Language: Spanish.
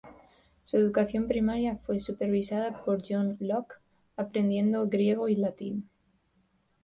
Su educación primaria fue supervisada por John Locke, aprendiendo griego y latín.